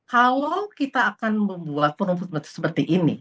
kalau kita akan membuat penumput seperti ini